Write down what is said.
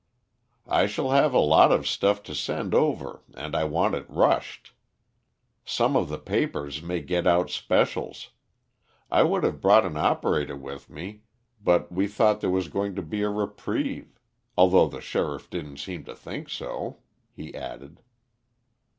"I shall have a lot of stuff to send over and I want it rushed. Some of the papers may get out specials. I would have brought an operator with me but we thought there was going to be a reprieve although the sheriff didn't seem to think so," he added.